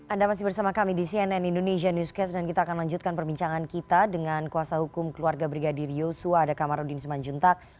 anda masih bersama kami di cnn indonesia newscast dan kita akan lanjutkan perbincangan kita dengan kuasa hukum keluarga brigadir yosua ada kamarudin simanjuntak